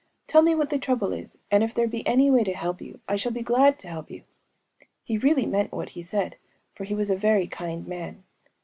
Tell me what the trouble is; and if there be any way to help you, I shall be glad to help you.‚ÄĚ (He really meant what he said; for he was a very kind man.)